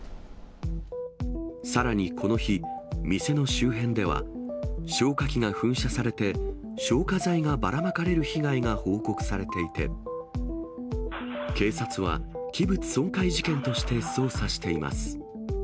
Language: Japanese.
さらにこの日、店の周辺では、消火器が噴射されて消火剤がばらまかれる被害が報告されていて、警察は器物損壊事件として捜査しています。